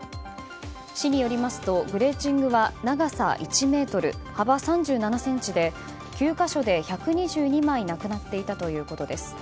市によりますと、グレーチングは長さ１ｍ、幅３７ｃｍで９か所で１２２枚なくなっていたということです。